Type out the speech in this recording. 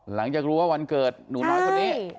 หลังจากรู้ว่าวันเกิดหนูน้อยคนนี้